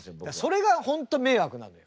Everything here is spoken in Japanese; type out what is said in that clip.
それが本当迷惑なのよ。